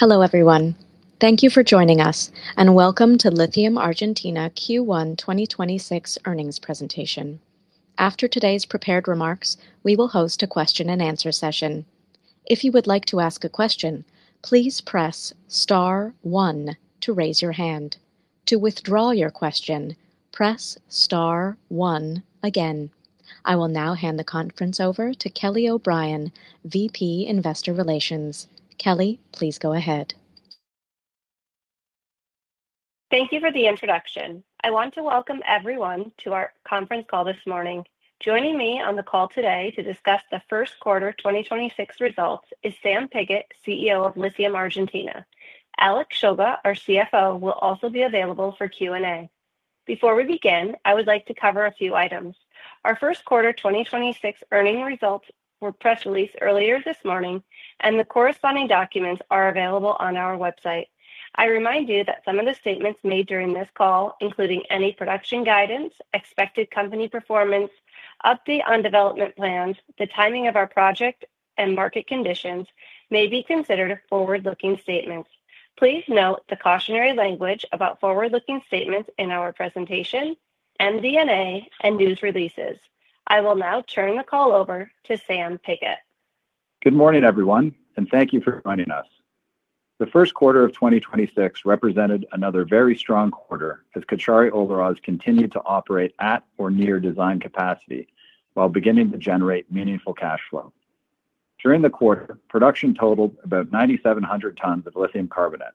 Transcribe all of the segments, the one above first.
Hello, everyone. Thank you for joining us and welcome to Lithium Argentina Q1 2026 earnings presentation. After today's prepared remarks, we will host a question and answer session. If you would like to ask a question, please press star one to raise your hand. To withdraw your question, press star one again. I will now hand the conference over to Kelly O'Brien, VP Investor Relations. Kelly, please go ahead. Thank you for the introduction. I want to welcome everyone to our conference call this morning. Joining me on the call today to discuss the first quarter 2026 results is Sam Pigott, CEO of Lithium Argentina. Alex Shulga, our CFO, will also be available for Q&A. Before we begin, I would like to cover a few items. Our first quarter 2026 earning results were press released earlier this morning. The corresponding documents are available on our website. I remind you that some of the statements made during this call, including any production guidance, expected company performance, update on development plans, the timing of our project and market conditions, may be considered forward-looking statements. Please note the cautionary language about forward-looking statements in our presentation and MD&A and news releases. I will now turn the call over to Sam Pigott. Good morning, everyone, and thank you for joining us. The first quarter of 2026 represented another very strong quarter as Caucharí-Olaroz continued to operate at or near design capacity while beginning to generate meaningful cash flow. During the quarter, production totaled about 9,700 tons of lithium carbonate,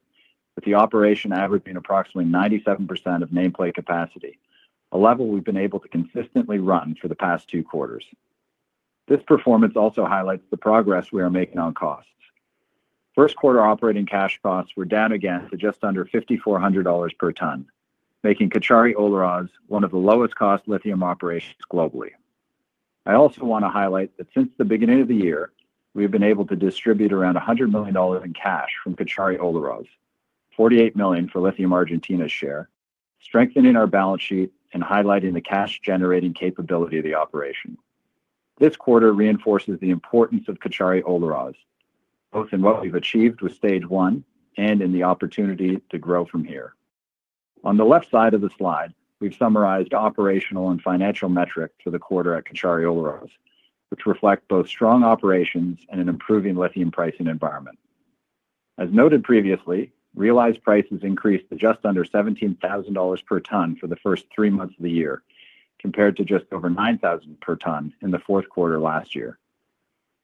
with the operation averaging approximately 97% of nameplate capacity, a level we've been able to consistently run for the past two quarters. This performance also highlights the progress we are making on costs. First quarter operating cash costs were down again to just under $5,400 per ton, making Caucharí-Olaroz one of the lowest cost lithium operations globally. I also want to highlight that since the beginning of the year, we have been able to distribute around $100 million in cash from Caucharí-Olaroz, $48 million for Lithium Argentina's share, strengthening our balance sheet and highlighting the cash generating capability of the operation. This quarter reinforces the importance of Caucharí-Olaroz, both in what we've achieved with stage one and in the opportunity to grow from here. On the left side of the slide, we've summarized operational and financial metrics for the quarter at Caucharí-Olaroz, which reflect both strong operations and an improving lithium pricing environment. As noted previously, realized prices increased to just under $17,000 per ton for the first three months of the year, compared to just over $9,000 per ton in the fourth quarter last year.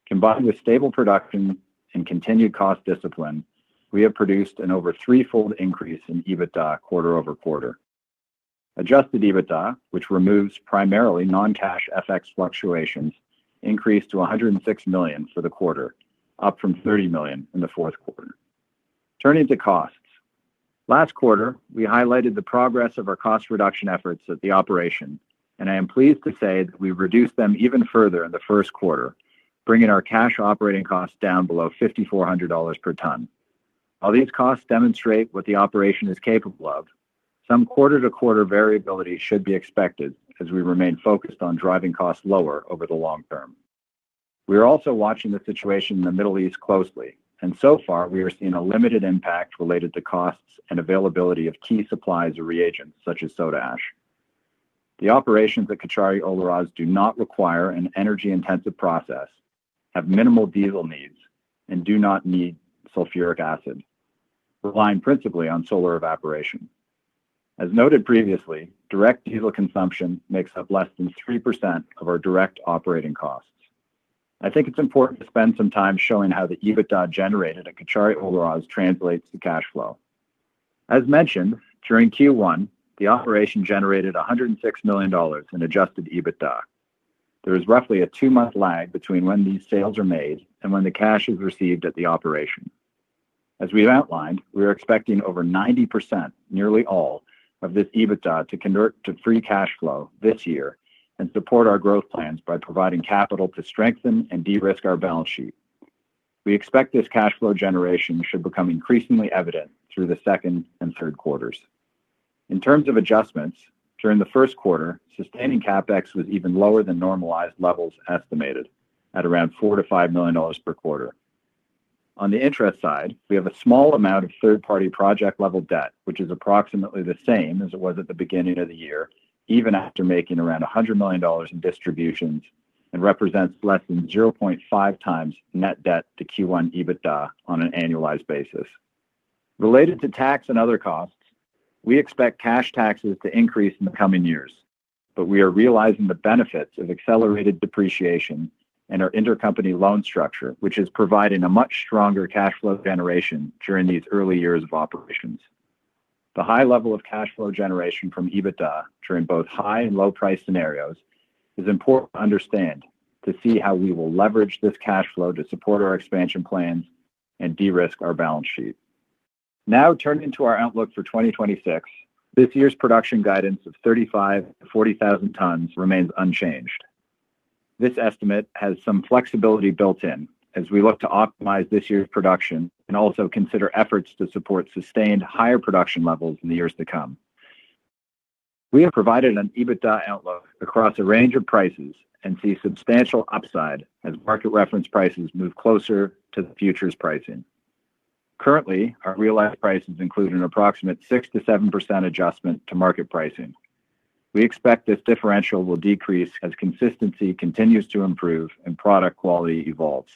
Combined with stable production and continued cost discipline, we have produced an over threefold increase in EBITDA quarter-over-quarter. Adjusted EBITDA, which removes primarily non-cash FX fluctuations, increased to $106 million for the quarter, up from $30 million in the fourth quarter. Turning to costs. Last quarter, we highlighted the progress of our cost reduction efforts at the operation. I am pleased to say that we've reduced them even further in the first quarter, bringing our cash operating costs down below $5,400 per ton. While these costs demonstrate what the operation is capable of, some quarter-to-quarter variability should be expected as we remain focused on driving costs lower over the long term. We are also watching the situation in the Middle East closely. So far, we are seeing a limited impact related to costs and availability of key supplies or reagents such as soda ash. The operations at Caucharí-Olaroz do not require an energy-intensive process, have minimal diesel needs, and do not need sulfuric acid, relying principally on solar evaporation. As noted previously, direct diesel consumption makes up less than 3% of our direct operating costs. I think it's important to spend some time showing how the EBITDA generated at Caucharí-Olaroz translates to cash flow. As mentioned, during Q1, the operation generated $106 million in adjusted EBITDA. There is roughly a two month lag between when these sales are made and when the cash is received at the operation. As we've outlined, we are expecting over 90%, nearly all, of this EBITDA to convert to free cash flow this year and support our growth plans by providing capital to strengthen and de-risk our balance sheet. We expect this cash flow generation should become increasingly evident through the second and third quarters. In terms of adjustments, during the first quarter, sustaining CapEx was even lower than normalized levels estimated at around $4 million-$5 million per quarter. On the interest side, we have a small amount of third-party project-level debt, which is approximately the same as it was at the beginning of the year, even after making around $100 million in distributions and represents less than 0.5x net debt to Q1 EBITDA on an annualized basis. Related to tax and other costs, we expect cash taxes to increase in the coming years, but we are realizing the benefits of accelerated depreciation and our intercompany loan structure, which is providing a much stronger cash flow generation during these early years of operations. The high level of cash flow generation from EBITDA during both high and low price scenarios is important to understand to see how we will leverage this cash flow to support our expansion plans and de-risk our balance sheet. Now, turning to our outlook for 2026, this year's production guidance of 35,000-40,000 tons remains unchanged. This estimate has some flexibility built in as we look to optimize this year's production and also consider efforts to support sustained higher production levels in the years to come. We have provided an EBITDA outlook across a range of prices and see substantial upside as market reference prices move closer to the futures pricing. Currently, our realized prices include an approximate 6%-7% adjustment to market pricing. We expect this differential will decrease as consistency continues to improve and product quality evolves.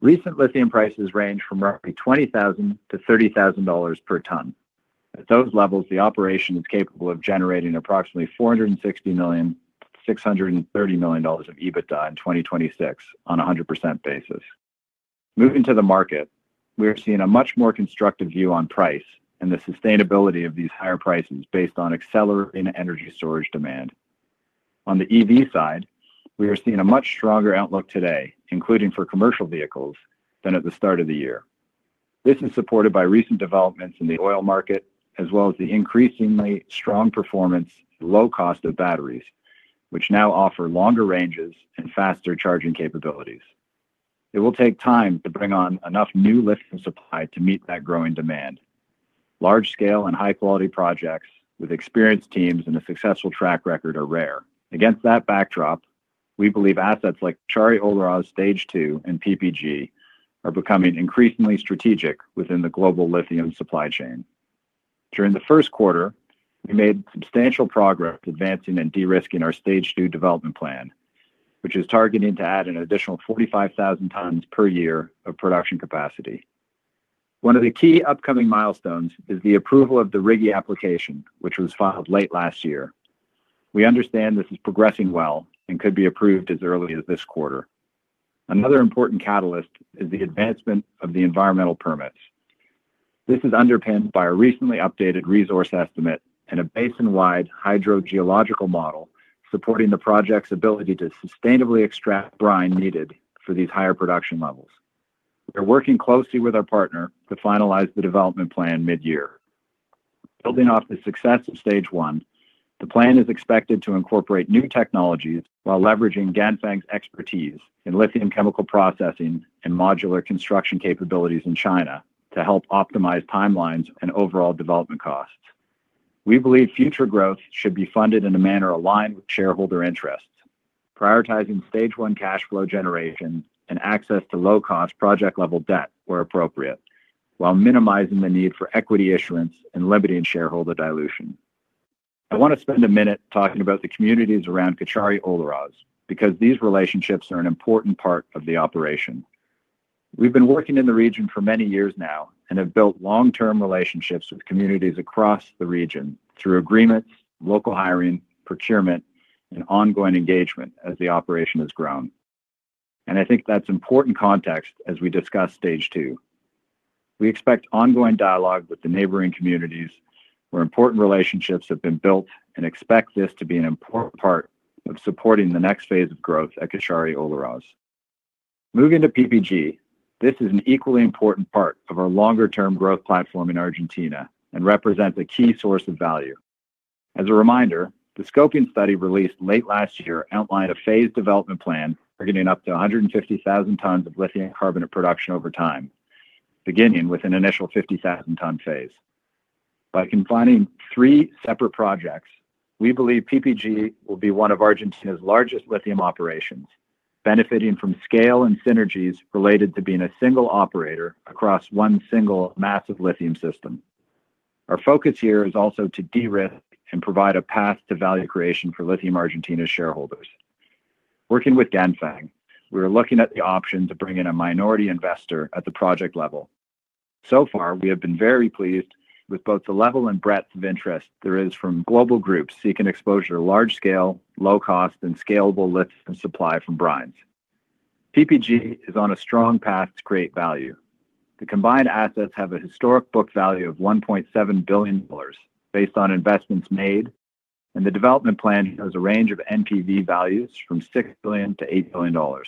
Recent lithium prices range from roughly $20,000-$30,000 per ton. At those levels, the operation is capable of generating approximately $460 million-$630 million of EBITDA in 2026 on a 100% basis. Moving to the market, we are seeing a much more constructive view on price and the sustainability of these higher prices based on accelerant energy storage demand. On the EV side, we are seeing a much stronger outlook today, including for commercial vehicles, than at the start of the year. This is supported by recent developments in the oil market, as well as the increasingly strong performance and low cost of batteries, which now offer longer ranges and faster charging capabilities. It will take time to bring on enough new lithium supply to meet that growing demand. Large-scale and high-quality projects with experienced teams and a successful track record are rare. Against that backdrop, we believe assets like Caucharí-Olaroz Stage 2 and PPG are becoming increasingly strategic within the global lithium supply chain. During the first quarter, we made substantial progress advancing and de-risking our Stage 2 development plan, which is targeting to add an additional 45,000 tons per year of production capacity. One of the key upcoming milestones is the approval of the RIGI application, which was filed late last year. We understand this is progressing well and could be approved as early as this quarter. Another important catalyst is the advancement of the environmental permits. This is underpinned by a recently updated resource estimate and a basin-wide hydrogeological model supporting the project's ability to sustainably extract brine needed for these higher production levels. We are working closely with our partner to finalize the development plan mid-year. Building off the success of Stage 1, the plan is expected to incorporate new technologies while leveraging Ganfeng's expertise in lithium chemical processing and modular construction capabilities in China to help optimize timelines and overall development costs. We believe future growth should be funded in a manner aligned with shareholder interests, prioritizing Stage 1 cash flow generation and access to low-cost project-level debt where appropriate, while minimizing the need for equity issuance and limiting shareholder dilution. I want to spend a minute talking about the communities around Caucharí-Olaroz, because these relationships are an important part of the operation. We've been working in the region for many years now and have built long-term relationships with communities across the region through agreements, local hiring, procurement, and ongoing engagement as the operation has grown. I think that's important context as we discuss Stage 2. We expect ongoing dialogue with the neighboring communities where important relationships have been built and expect this to be an important part of supporting the next phase of growth at Caucharí-Olaroz. Moving to PPG, this is an equally important part of our longer-term growth platform in Argentina and represents a key source of value. As a reminder, the scoping study released late last year outlined a phased development plan targeting up to 150,000 tons of lithium carbonate production over time, beginning with an initial 50,000-ton phase. By combining three separate projects, we believe PPG will be one of Argentina's largest lithium operations, benefiting from scale and synergies related to being a single operator across one single massive lithium system. Our focus here is also to de-risk and provide a path to value creation for Lithium Argentina shareholders. Working with Ganfeng, we are looking at the option to bring in a minority investor at the project level. So far, we have been very pleased with both the level and breadth of interest there is from global groups seeking exposure to large-scale, low-cost, and scalable lithium supply from brines. PPG is on a strong path to create value. The combined assets have a historic book value of $1.7 billion based on investments made. The development plan shows a range of NPV values from $6 billion-$8 billion.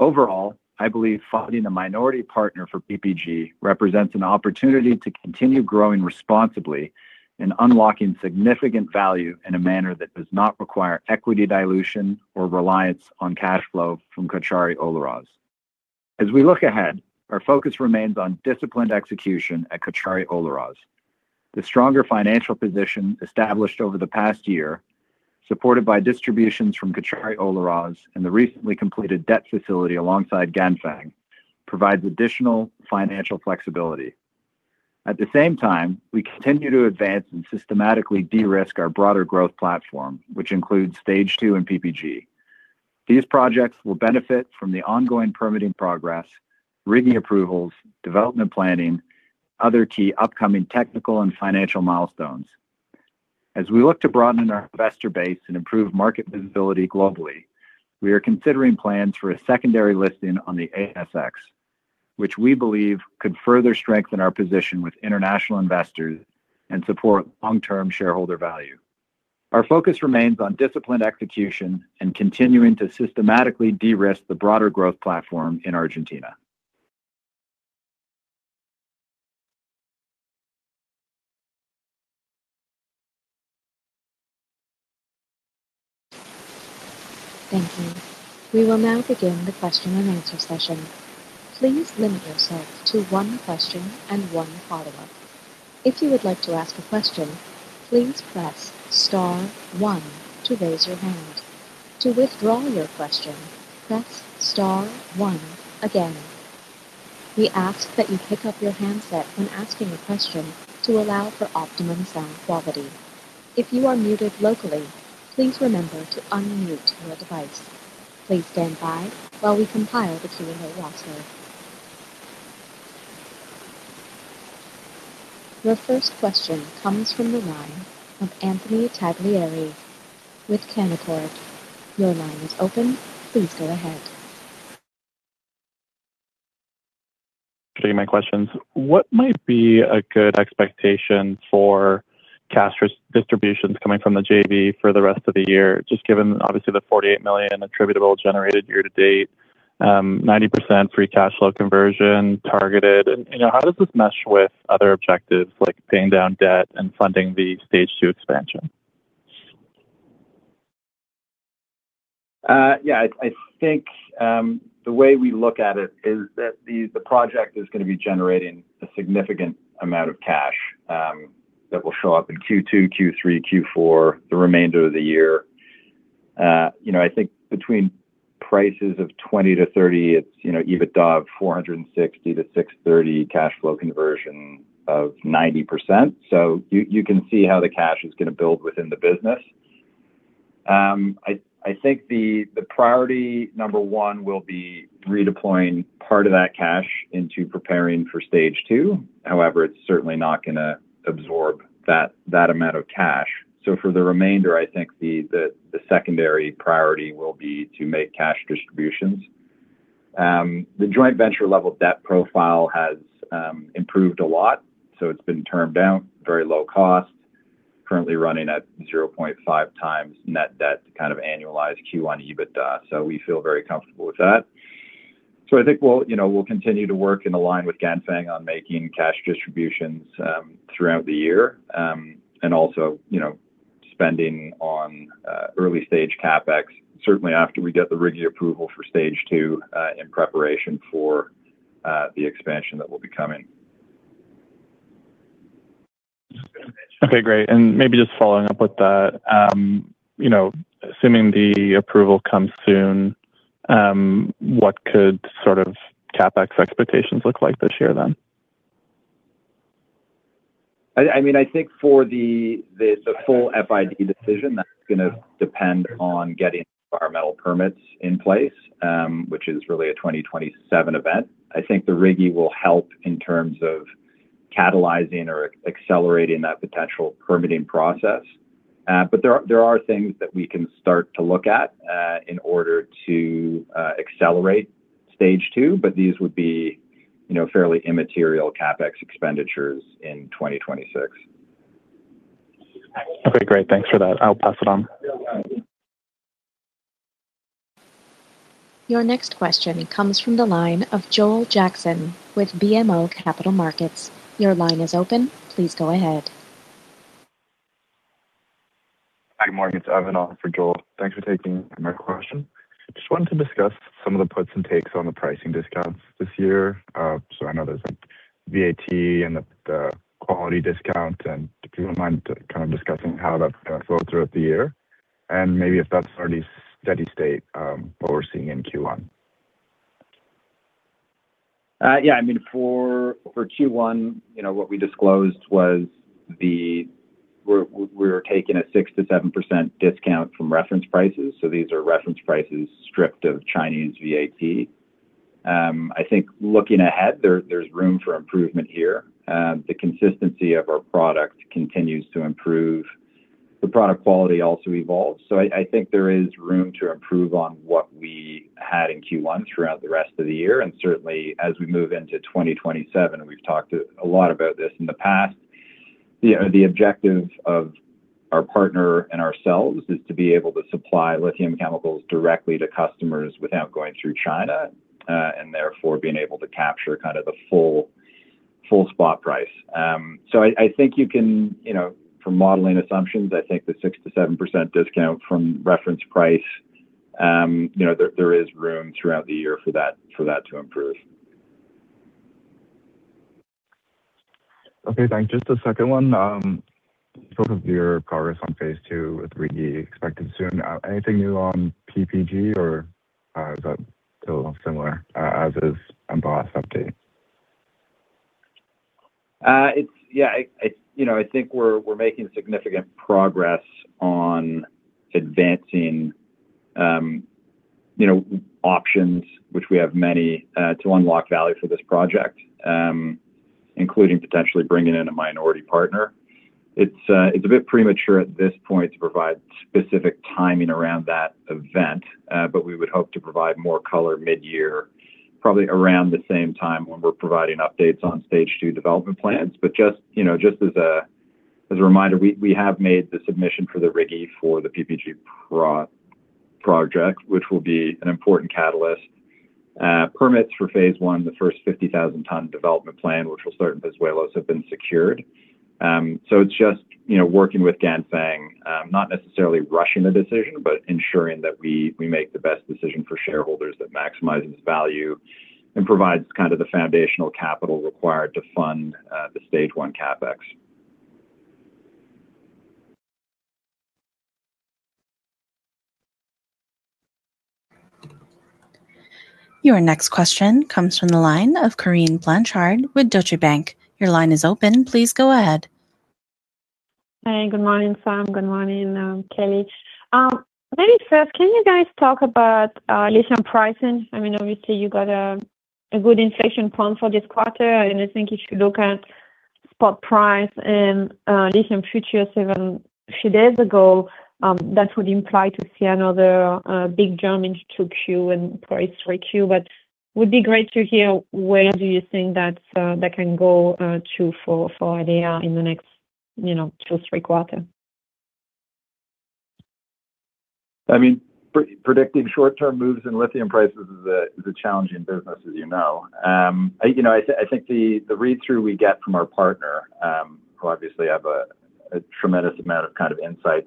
Overall, I believe finding a minority partner for PPG represents an opportunity to continue growing responsibly and unlocking significant value in a manner that does not require equity dilution or reliance on cash flow from Caucharí-Olaroz. As we look ahead, our focus remains on disciplined execution at Caucharí-Olaroz. The stronger financial position established over the past year, supported by distributions from Caucharí-Olaroz and the recently completed debt facility alongside Ganfeng, provides additional financial flexibility. At the same time, we continue to advance and systematically de-risk our broader growth platform, which includes Stage 2 and PPG. These projects will benefit from the ongoing permitting progress, RIGI approvals, development planning, other key upcoming technical and financial milestones. As we look to broaden our investor base and improve market visibility globally, we are considering plans for a secondary listing on the ASX, which we believe could further strengthen our position with international investors and support long-term shareholder value. Our focus remains on disciplined execution and continuing to systematically de-risk the broader growth platform in Argentina. Thank you. We will now begin the question and answer session. Your first question comes from the line of Anthony Taglieri with Canaccord. Your line is open. Please go ahead. Taking my questions. What might be a good expectation for cash distributions coming from the JV for the rest of the year, just given obviously the $48 million attributable generated year to date, 90% free cash flow conversion targeted? You know, how does this mesh with other objectives like paying down debt and funding the stage 2 expansion? Yeah. I think the project is gonna be generating a significant amount of cash that will show up in Q2, Q3, Q4, the remainder of the year. You know, I think between prices of 20-30, it's, you know, EBITDA of $460-$630 cash flow conversion of 90%. You can see how the cash is gonna build within the business. I think the priority number 1 will be redeploying part of that cash into preparing for stage 2. However, it's certainly not gonna absorb that amount of cash. For the remainder, I think the secondary priority will be to make cash distributions. The joint venture level debt profile has improved a lot, it's been termed down very low cost, currently running at 0.5 times net debt to kind of annualized Q1 EBITDA, we feel very comfortable with that. I think we'll, you know, we'll continue to work and align with Ganfeng on making cash distributions throughout the year, and also, you know, spending on early stage CapEx, certainly after we get the RIGI approval for stage 2, in preparation for the expansion that will be coming. Okay, great. Maybe just following up with that, you know, assuming the approval comes soon, what could sort of CapEx expectations look like this year then? I mean, I think for the full FID decision, that's going to depend on getting environmental permits in place, which is really a 2027 event. I think the RIGI will help in terms of catalyzing or accelerating that potential permitting process. There are things that we can start to look at in order to accelerate stage 2, these would be, you know, fairly immaterial CapEx expenditures in 2026. Okay, great. Thanks for that. I'll pass it on. Your next question comes from the line of Joel Jackson with BMO Capital Markets. Your line is open. Please go ahead. Hi, Morgan, it's Evan on for Joel. Thanks for taking my question. Just wanted to discuss some of the puts and takes on the pricing discounts this year. I know there's like VAT and the quality discount, and if you don't mind kind of discussing how that's gonna flow throughout the year and maybe if that's already steady state, what we're seeing in Q1. I mean, for Q1, you know, what we disclosed was we're taking a 6%-7% discount from reference prices. These are reference prices stripped of Chinese VAT. I think looking ahead, there's room for improvement here. The consistency of our product continues to improve. The product quality also evolves. I think there is room to improve on what we had in Q1 throughout the rest of the year, and certainly as we move into 2027, we've talked a lot about this in the past. You know, the objective of our partner and ourselves is to be able to supply lithium chemicals directly to customers without going through China, and therefore being able to capture kind of the full spot price. I think you know, for modeling assumptions, I think the 6%-7% discount from reference price, you know, there is room throughout the year for that to improve. Okay, thanks. Just a second one. In terms of your progress on phase II with RIGI expected soon, anything new on PPG or is that still similar as is on the last update? It's Yeah, I You know, I think we're making significant progress on advancing, you know, options, which we have many, to unlock value for this project, including potentially bringing in a minority partner. It's, it's a bit premature at this point to provide specific timing around that event, but we would hope to provide more color midyear, probably around the same time when we're providing updates on stage 2 development plans. Just, you know, just as a, as a reminder, we have made the submission for the RIGI for the PPG project, which will be an important catalyst. Permits for phase 1, the first 50,000 ton development plan, which will start in Pozuelos, have been secured. it's just, you know, working with Ganfeng, not necessarily rushing a decision, but ensuring that we make the best decision for shareholders that maximizes value and provides kind of the foundational capital required to fund, the stage 1 CapEx. Your next question comes from the line of Corinne Blanchard with Deutsche Bank. Your line is open. Please go ahead. Hi, good morning, Sam. Good morning, Kelly. Maybe first, can you guys talk about lithium pricing? I mean, obviously you got a good inflation plan for this quarter, and I think if you look at spot price and lithium futures even a few days ago, that would imply to see another big jump into Q and probably 3Q. Would be great to hear where do you think that that can go to, for idea in the next, you know, two, three quarters. I mean, pre-predicting short-term moves in lithium prices is a challenging business, as you know. You know, I think the read-through we get from our partner, who obviously have a tremendous amount of kind of insights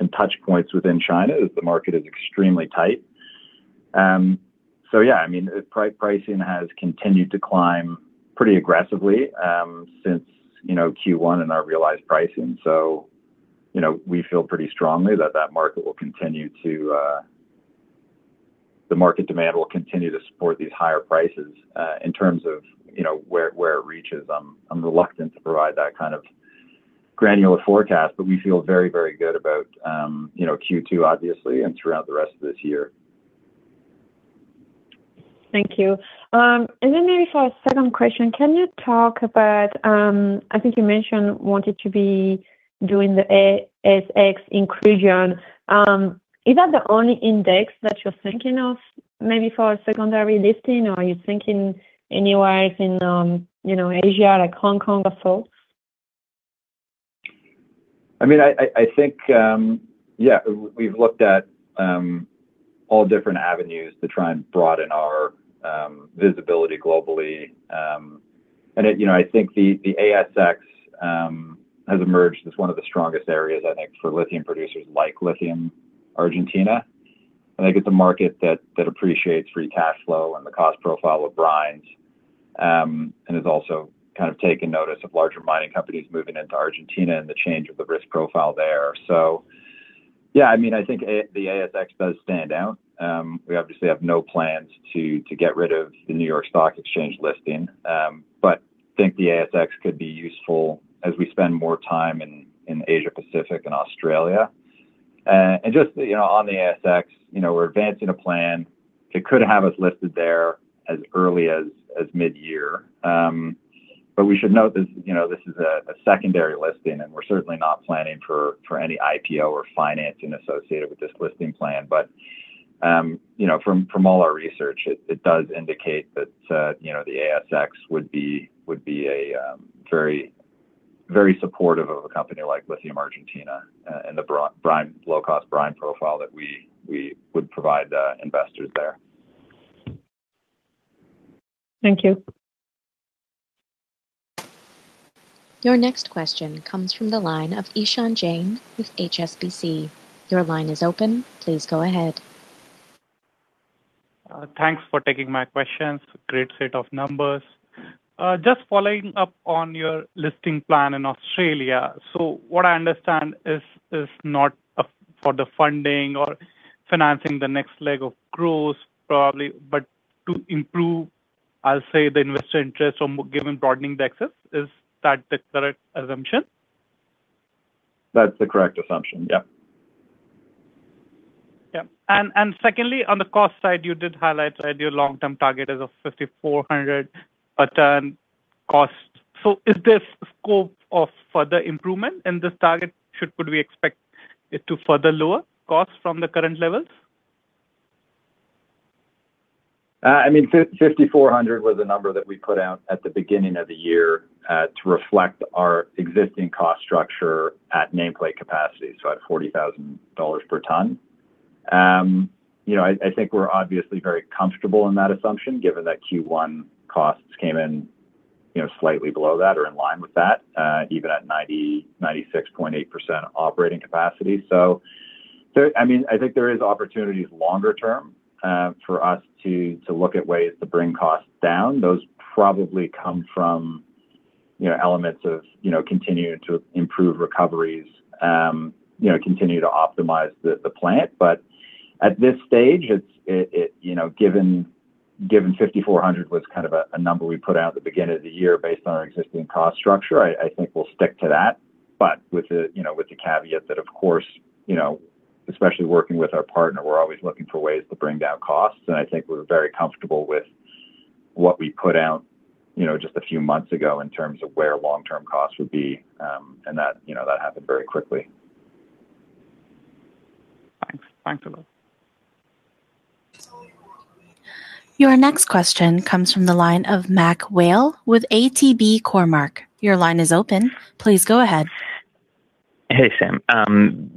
and touch points within China, is the market is extremely tight. Yeah, I mean, pricing has continued to climb pretty aggressively since, you know, Q1 in our realized pricing. You know, we feel pretty strongly that market will continue to, the market demand will continue to support these higher prices. In terms of, you know, where it reaches, I'm reluctant to provide that kind of granular forecast, but we feel very, very good about, you know, Q2 obviously, and throughout the rest of this year. Thank you. Maybe for a second question, can you talk about, I think you mentioned wanted to be doing the ASX inclusion. Is that the only index that you're thinking of maybe for a secondary listing, or are you thinking anywhere in, you know, Asia, like Hong Kong, also? I mean, I think, yeah, we've looked at all different avenues to try and broaden our visibility globally. It, you know, I think the ASX has emerged as one of the strongest areas, I think, for lithium producers like Lithium Argentina. I think it's a market that appreciates free cash flow and the cost profile of brines, and has also kind of taken notice of larger mining companies moving into Argentina and the change of the risk profile there. Yeah, I mean, I think the ASX does stand out. We obviously have no plans to get rid of the New York Stock Exchange listing. Think the ASX could be useful as we spend more time in Asia Pacific and Australia. Just, you know, on the ASX, you know, we're advancing a plan that could have us listed there as early as midyear. We should note this, you know, this is a secondary listing, and we're certainly not planning for any IPO or financing associated with this listing plan. From all our research, it does indicate that, you know, the ASX would be a very supportive of a company like Lithium Argentina and the brine, low-cost brine profile that we would provide investors there. Thank you. Your next question comes from the line of Ishan Jain with HSBC. Your line is open. Please go ahead. Thanks for taking my questions. Great set of numbers. Just following up on your listing plan in Australia. What I understand is not for the funding or financing the next leg of growth probably, but to improve, I'll say, the investor interest on given broadening the access. Is that the correct assumption? That's the correct assumption. Yeah. Yeah. Secondly, on the cost side, you did highlight your long-term target is of $5,400 a ton cost. Is there scope of further improvement in this target, could we expect it to further lower costs from the current levels? I mean, $5,400 was a number that we put out at the beginning of the year, to reflect our existing cost structure at nameplate capacity, so at $40,000 per ton. You know, I think we're obviously very comfortable in that assumption given that Q1 costs came in, you know, slightly below that or in line with that, even at 96.8% operating capacity. There, I mean, I think there is opportunities longer term, for us to look at ways to bring costs down. Those probably come from, you know, elements of, you know, continuing to improve recoveries, you know, continue to optimize the plant. At this stage, it's, you know, given $5,400 was kind of a number we put out at the beginning of the year based on our existing cost structure, I think we'll stick to that. With the, you know, with the caveat that of course, you know, especially working with our partner, we're always looking for ways to bring down costs, and I think we're very comfortable with what we put out, you know, just a few months ago in terms of where long-term costs would be. That, you know, that happened very quickly. Thanks. Thanks a lot. Your next question comes from the line of Mac Whale with ATB Cormark. Your line is open. Please go ahead. Hey, Sam.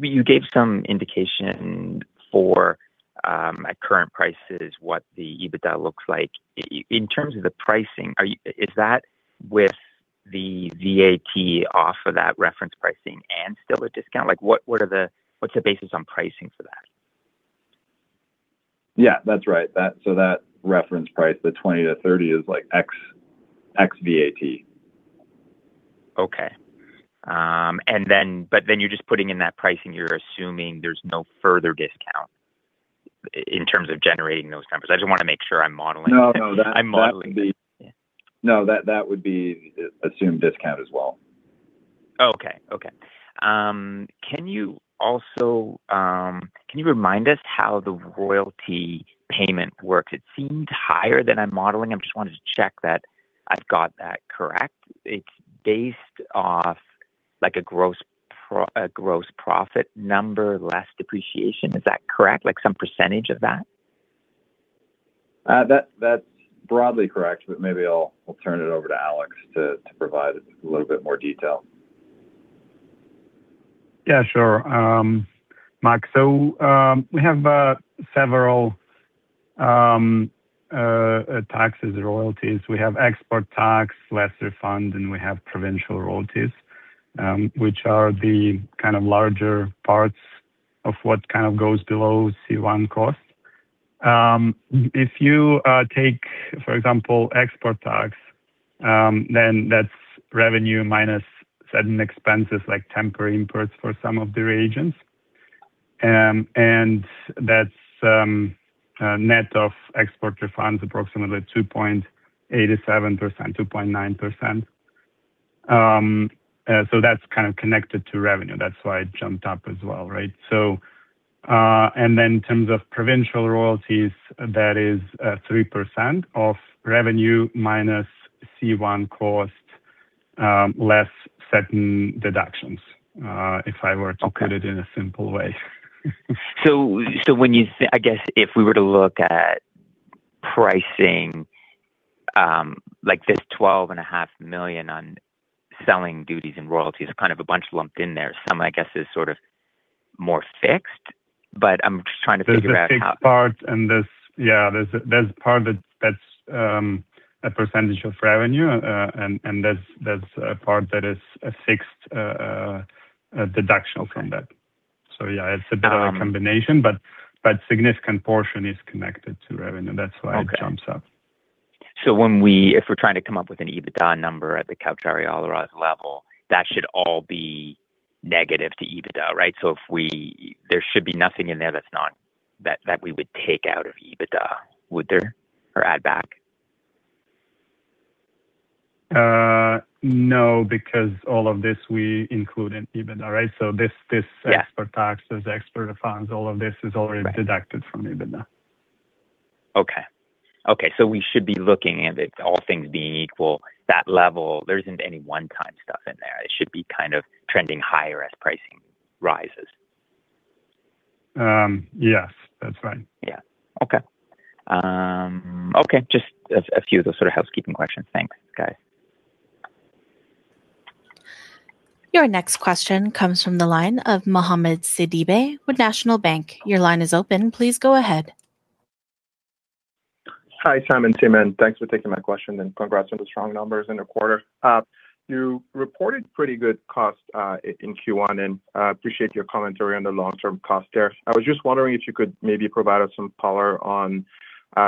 You gave some indication for, at current prices what the EBITDA looks like. In terms of the pricing, Is that with the VAT off of that reference pricing and still a discount? Like, what are the, what's the basis on pricing for that? Yeah, that's right. That reference price, the $20-$30 is like ex-VAT. Okay. You're just putting in that pricing, you're assuming there's no further discount in terms of generating those numbers. I just wanna make sure I'm modeling. No, no. Yeah. No. That would be the assumed discount as well. Oh, okay. Can you also, can you remind us how the royalty payment works? It seemed higher than I'm modeling. I just wanted to check that I've got that correct. It's based off a gross profit number less depreciation. Is that correct? Some percentage of that? That's broadly correct, but maybe I'll turn it over to Alex Shulga to provide a little bit more detail. Yeah, sure. Mac. We have several taxes, royalties. We have export tax, lesser fund, and we have provincial royalties, which are the kind of larger parts of what kind of goes below C1 cost. If you take, for example, export tax, then that's revenue minus certain expenses like temporary imports for some of the regions. And that's a net of export refunds, approximately 2.87%, 2.9%. That's kind of connected to revenue. That's why it jumped up as well, right? And then in terms of provincial royalties, that is 3% of revenue minus C1 cost, less certain deductions, if I were to Okay put it in a simple way. When you I guess if we were to look at pricing, like this $12.5 million on selling duties and royalties are kind of a bunch lumped in there. Some, I guess, is sort of more fixed, but I'm just trying to figure out. There's a fixed part and there's a part that's a percentage of revenue. And there's a part that is a fixed deduction from that. Yeah, it's a bit of a combination. Um- Significant portion is connected to revenue. Okay. That's why it jumps up. If we're trying to come up with an EBITDA number at the Caucharí-Olaroz level, that should all be negative to EBITDA, right? There should be nothing in there that's not, that we would take out of EBITDA, would there? Or add back? No, because all of this we include in EBITDA, right? Yeah this export tax, those export refunds, all of this is already deducted from EBITDA. Okay. Okay. We should be looking at it, all things being equal, that level, there isn't any one-time stuff in there. It should be kind of trending higher as pricing rises. Yes, that's right. Okay. Okay. Just a few of those sort of housekeeping questions. Thanks, guys. Your next question comes from the line of Mohamed Sidibé with National Bank. Your line is open. Please go ahead. Hi, Sam and team. Thanks for taking my question, and congrats on the strong numbers in the quarter. You reported pretty good cost in Q1, and appreciate your commentary on the long-term cost there. I was just wondering if you could maybe provide us some color on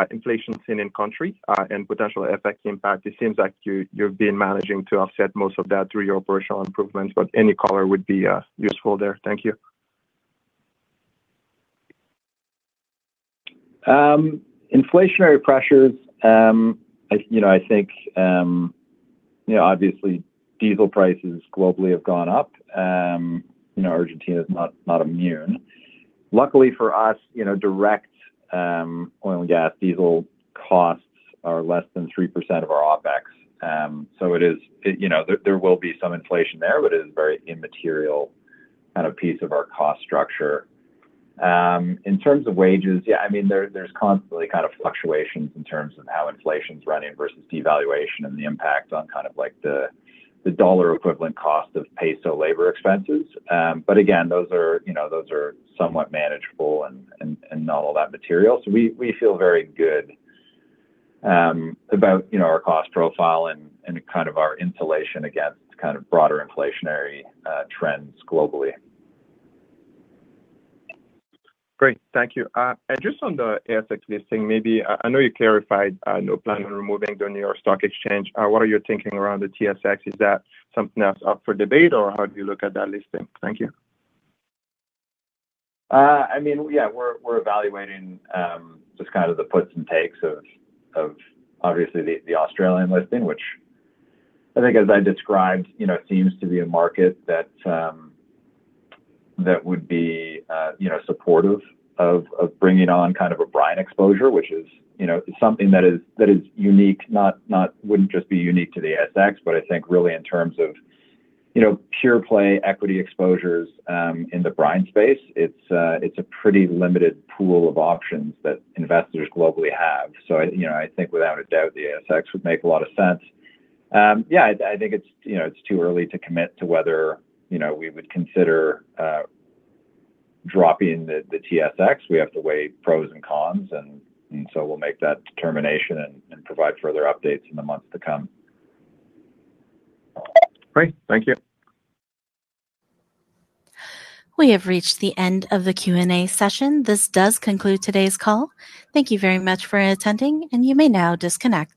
inflation seen in country and potential FX impact. It seems like you've been managing to offset most of that through your operational improvements, but any color would be useful there. Thank you. Inflationary pressures, you know, I think, you know, obviously diesel prices globally have gone up. You know, Argentina is not immune. Luckily for us, you know, direct oil and gas diesel costs are less than 3% of our OpEx. It is, you know, there will be some inflation there, but it is very immaterial kind of piece of our cost structure. In terms of wages, yeah, I mean, there's constantly kind of fluctuations in terms of how inflation's running versus devaluation and the impact on kind of like the dollar equivalent cost of peso labor expenses. Again, those are, you know, those are somewhat manageable and not all that material. We feel very good, about, you know, our cost profile and kind of our insulation against kind of broader inflationary trends globally. Great. Thank you. Just on the ASX listing, I know you clarified, no plan on removing the New York Stock Exchange. What are you thinking around the TSX? Is that something that's up for debate or how do you look at that listing? Thank you. I mean, yeah, we're evaluating, just kind of the puts and takes of obviously the Australian listing, which I think as I described, you know, seems to be a market that would be, you know, supportive of bringing on kind of a brine exposure, which is, you know, something that is, that is unique, not wouldn't just be unique to the ASX, but I think really in terms of, you know, pure play equity exposures, in the brine space. It's, it's a pretty limited pool of options that investors globally have. I, you know, I think without a doubt the ASX would make a lot of sense. Yeah, I think it's, you know, it's too early to commit to whether, you know, we would consider, dropping the TSX. We have to weigh pros and cons and so we'll make that determination and provide further updates in the months to come. Great. Thank you. We have reached the end of the Q&A session. This does conclude today's call. Thank you very much for attending, and you may now disconnect.